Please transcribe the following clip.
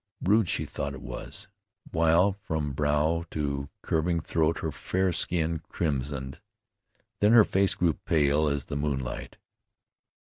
Rude she thought it was, while from brow to curving throat her fair skin crimsoned. Then her face grew pale as the moonlight.